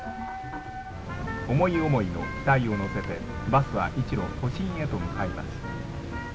思い思いの期待を乗せて、バスは一路、都心へと向かいます。